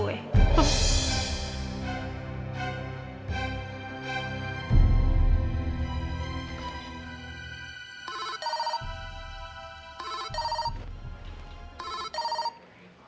berhasil juga jebakan gue